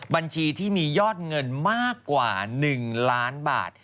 บัญชีที่มียอดเงินมากกว่า๑ล้านบาท